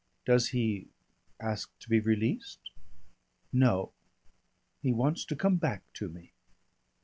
"Does he ask to be released?" "No.... He wants to come back to me."